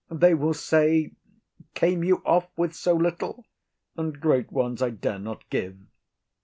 They will say "Came you off with so little?" and great ones I dare not give.